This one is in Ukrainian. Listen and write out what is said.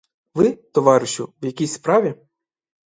Ви, товаришу, в якійсь справі?